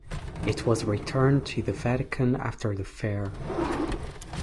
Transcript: It was returned to the Vatican after the fair.